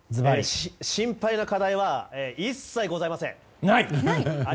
心配な課題は一切ございません！